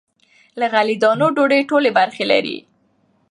له غلې- دانو ډوډۍ ټولې برخې لري.